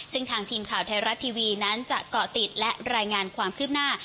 ซึ่งทางทีมข่าวไทยรัฐทีวีนั้นจะเกาะติดและรายงานความคืบหน้า